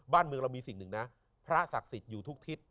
บ้านเมืองเรามีสิ่งหนึ่งนะพระศักดิ์สิทธิ์อยู่ทุกทิศ